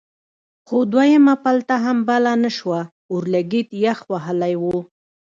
خو دویمه پلته هم بله نه شوه اورلګید یخ وهلی و.